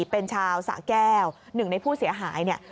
เป็นชาวสะแก้วหนึ่งในผู้เสียหายเนี่ย